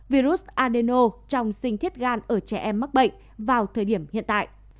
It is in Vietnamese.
virus adeno trong sinh thiết gan ở trẻ em mắc bệnh vào thời điểm hiện tại